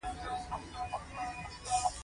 دا دومره کلونه چې دې ځمکه ورته پرېښې وه.